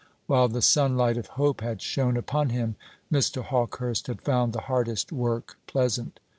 While the sunlight of hope had shone upon him, Mr. Hawkehurst had found the hardest work pleasant.